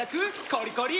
コリコリ！